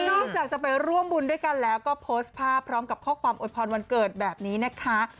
นอกจากจะไปร่วมบุญด้วยกันแล้วก็โพสต์ภาพพร้อมกับข้อความโวยพรวันเกิดแบบนี้นะคะ